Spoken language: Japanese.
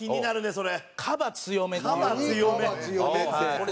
それ。